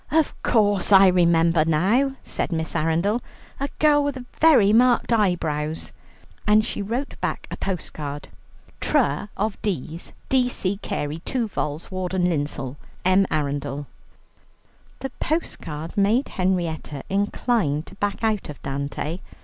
"Of course; I remember now," said Miss Arundel. "A girl with very marked eyebrows." And she wrote back a postcard, "Tr. of D.'s D. C. Carey, 2 vols., Ward and Linsell. M. Arundel." The postcard made Henrietta inclined to back out of Dante.